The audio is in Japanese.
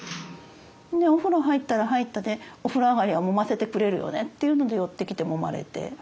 でお風呂入ったら入ったでお風呂上がりはもませてくれるよねっていうので寄ってきてもまれて。